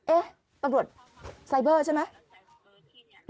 เอ๊ะตำรวจไซเบอร์ใช่ไหม